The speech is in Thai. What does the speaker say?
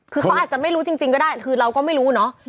คือเขาอาจจะไม่รู้จริงก็ได้คือเราก็ไม่รู้เนอะ